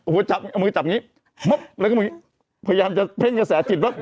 หัวมือจับอย่างนี้เปรยามจะเพิ่งกระแสจิต